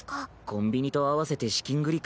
コンビニと合わせて資金繰り